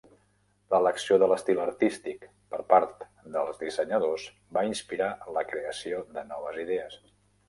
L'elecció de l'estil artístic per part dels dissenyadors va inspirar la creació de noves idees.